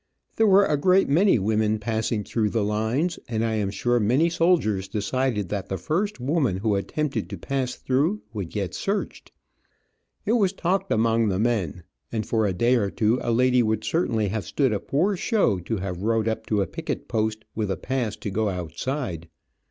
There were a great many women passing through the lines, and I am sure many soldiers decided that the first woman who attempted to pass through would get searched. It was talked among the men, and for a day or two a lady would certainly have stood a poor show to have rode up to a picket post with a pass to go outside.